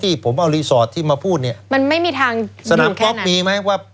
ที่ผมเอารีสอร์ทที่มาพูดเนี่ยมันไม่มีทางสนามก๊อกมีไหมว่า